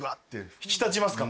引き立ちますか。